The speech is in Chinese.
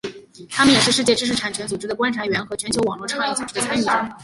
他们也是世界知识产权组织的观察员和全球网络倡议组织的参与者。